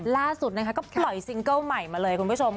ล่าสุดนะคะก็ปล่อยซิงเกิ้ลใหม่มาเลยคุณผู้ชม